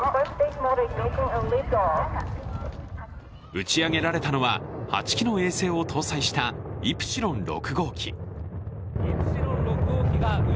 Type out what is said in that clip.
打ち上げられたのは８機の衛星を搭載したイプシロン６号機。